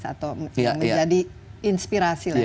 atau menjadi inspirasi